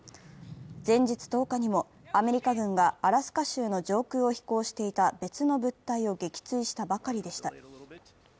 前日１０日にもアメリカ軍がアラスカ州の上空を飛行していた別の物体を撃墜したばかりでした。